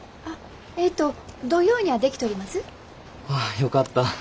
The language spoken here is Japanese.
ああよかった。